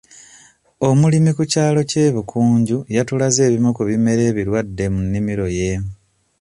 Omulimi ku kyalo ky'e Bukujju yatulaze ebimu ku bimera ebirwadde mu nnimiro ye.